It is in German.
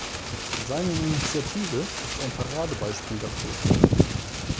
Seine Initiative ist ein Paradebeispiel dafür.